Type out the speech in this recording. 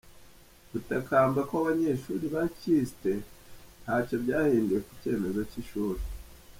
Gutakamba kw’abanyeshuri ba kisite ntacyo byahinduye ku cyemezo cy’ishuri